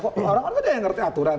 orang orang itu yang ngerti aturan